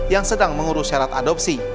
yang sedang mengurus syarat adopsi